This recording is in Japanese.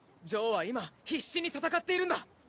ジョーは今必死に戦っているんだ。